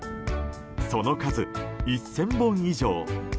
その数、１０００本以上。